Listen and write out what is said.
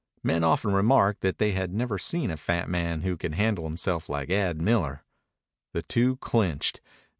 Men often remarked that they had never seen a fat man who could handle himself like Ad Miller. The two clinched.